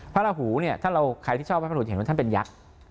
ระหูเนี่ยถ้าเราใครที่ชอบพระพุทธเห็นว่าท่านเป็นยักษ์